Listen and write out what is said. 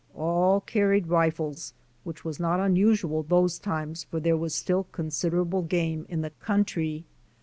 All carried rifles, which was not unusual those times for there was still considerable game in the country.